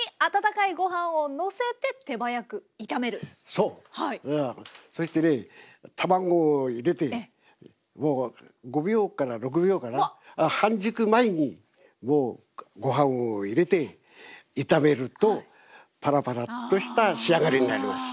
そうそしてね卵を入れて５秒から６秒かな半熟前にもうご飯を入れて炒めるとパラパラッとした仕上がりになります。